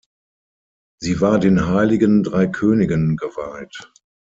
Sie war den Heiligen drei Königen geweiht.